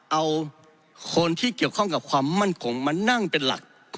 เอาคนที่เกี่ยวข้องกับความมั่นคงมานั่งเป็นหลัก